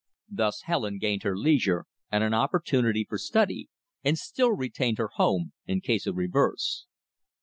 Thus Helen gained her leisure and an opportunity for study; and still retained her home in case of reverse.